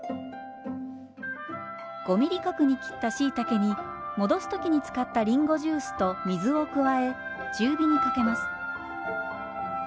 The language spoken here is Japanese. ５ｍｍ角に切ったしいたけに戻す時に使ったりんごジュースと水を加え中火にかけます。